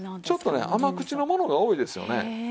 ちょっとね甘口のものが多いですよね。